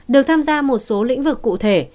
được tham gia một số lĩnh vực cụ thể